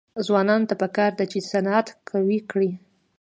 ځوانانو ته پکار ده چې، صنعت قوي کړي.